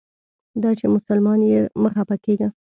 دا چې مسلمان یې مه خپه کیږه.